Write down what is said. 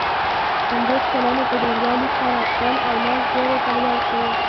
پنځوس سلنې په ډېروالي سره سل او لس زرو ته لوړ شو.